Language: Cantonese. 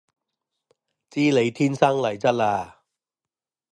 知你天生麗質嘞